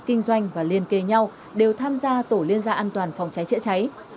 kinh doanh và liên kề nhau đều tham gia tổ liên gia an toàn phòng cháy chữa cháy